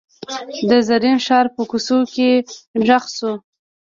د زرین ښار په کوڅو کې غږ شو.